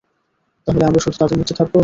তাহলে আমরা শুধু তাদের মধ্য থাকবো?